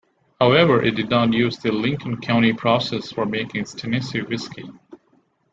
However, it did not use the Lincoln County Process for making its Tennessee whiskey.